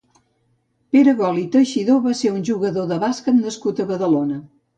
Pere Gol i Teixidor va ser un jugador de bàsquet nascut a Badalona.